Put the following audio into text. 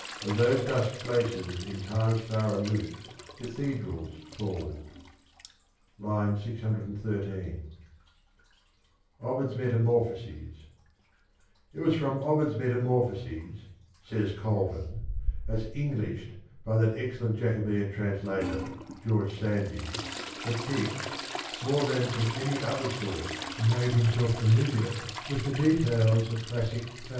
Of those dusk places in times far aloof Cathedrals call'd. (II. 613) " It was from Ovid's Metamorphoses,'' says Colvin, " as Englished by that excellent Jacobean translator, George Sandys, that Keats, more than from any other source, made himself familiar with the details of classic fable.